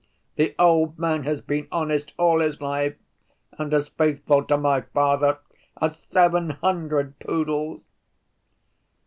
The old man has been honest all his life and as faithful to my father as seven hundred poodles."